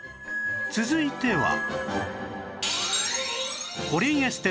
続いては